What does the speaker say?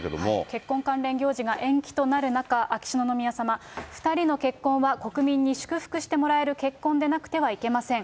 結婚関連行事が延期となる中、秋篠宮さま、２人の結婚は国民に祝福してもらえる結婚でなくてはいけません。